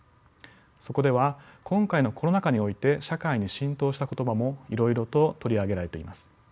そこでは今回のコロナ禍において社会に浸透した言葉もいろいろと取り上げられています。